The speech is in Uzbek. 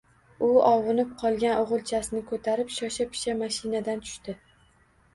U ovunib qolgan o‘g‘ilchasini ko‘tarib shosha-pisha mashinadan tushdi.